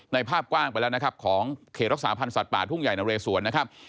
ภาพกว้างไปแล้วนะครับของเขตรักษาพันธ์สัตว์ป่าทุ่งใหญ่นะเรสวนนะครับ